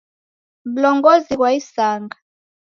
W'ulongozi ghwa isanga.